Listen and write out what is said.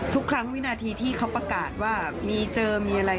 ทุกครั้งวินาทีที่เขาประกาศว่ามีเจอมีอะไร